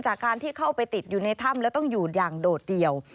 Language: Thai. จากการที่เข้าไปติดอยู่ในถ้ำและต้องอยู่อย่างโดดเดี่ยว